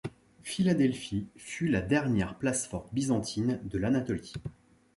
Philadelphie fut la dernière place forte byzantine de l'Anatolie.